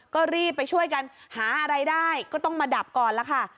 ก็รีบไปช่วยกันหาอะไรได้ก็ต้องมาดับก่อนล่ะค่ะ